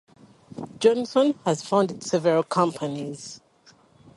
Johnson has also founded several companies.